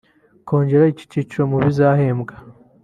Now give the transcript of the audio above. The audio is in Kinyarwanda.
Kongera iki cyiciro mu bizahembwa